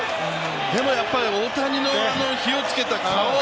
でもやっぱり大谷の火をつけた顔！